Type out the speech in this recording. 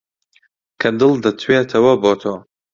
کە دڵ دەتوێتەوە بۆ تۆ